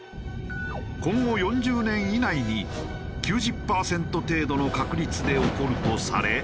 今後４０年以内に９０パーセント程度の確率で起こるとされ。